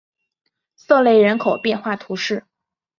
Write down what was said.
瑟雷人口变化图示